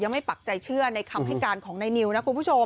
ไม่ปักใจเชื่อในคำให้การของนายนิวนะคุณผู้ชม